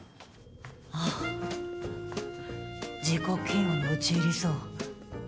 ああ、自己嫌悪に陥りそう。